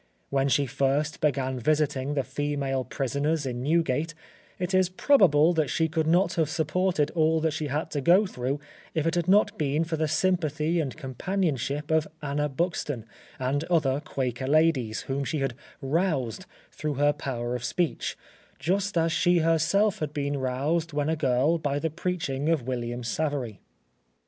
When she first began visiting the female prisoners in Newgate it is probable that she could not have supported all that she had to go through if it had not been for the sympathy and companionship of Anna Buxton and other Quaker ladies whom she had roused through her power of speech, just as she had herself been roused when a girl by the preaching of William Savery.